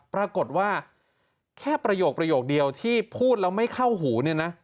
ปรากฏว่าแค่ประโยคเดียวที่พูดแล้วไม่เข้าหูเนี่ยนะ